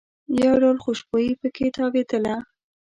یو ډول خوشبويي په کې تاوېدله.